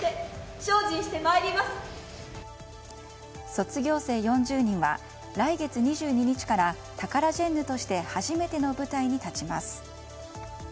卒業生４０人は来月２２日からタカラジェンヌとして初めての舞台に立ちます。